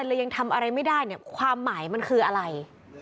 หรือยังทำอะไรไม่ได้ความหมายมันคืออะไร